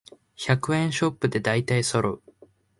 百円ショップでだいたいそろう